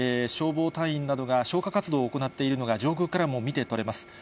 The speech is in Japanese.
消防隊員などが消火活動を行っているのが、上空からも見て取れます。